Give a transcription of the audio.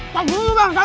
bang dulu bang sabar